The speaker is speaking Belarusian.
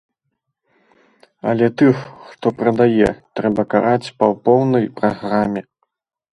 Але тых, хто прадае, трэба караць па поўнай праграме.